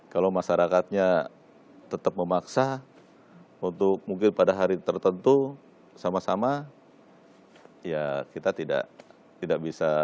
kalau masyarakatnya tetap memaksa untuk mungkin pada hari tertentu sama sama ya kita tidak bisa